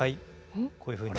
こういうふうに。